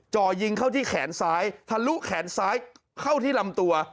จ่อยิงเข้าที่แขนซ้ายทะลุแขนซ้ายเข้าที่ลำตัว